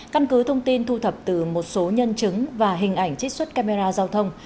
căn cứ thông tin thu thập từ một số nhân chứng và hình ảnh trích xuất camera giao thông